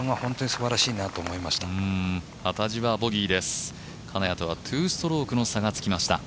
幡地はボギーです、金谷とは２ストロークの差がつきました。